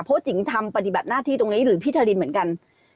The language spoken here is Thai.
เพราะจิ๋งทำปฏิบัติหน้าที่ตรงนี้หรือพี่ทารินเหมือนกัน